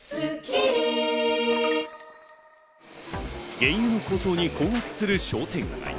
原油の高騰に困惑する商店街。